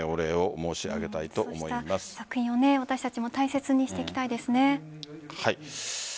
そうした作品を私たちも大切にしていきたいですね。